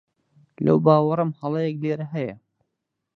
لەو باوەڕەم هەڵەیەک لێرە هەیە.